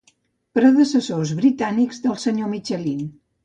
Predecessors britànics del senyor Michelin.